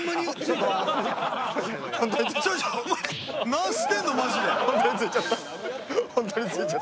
何してんの、マジで。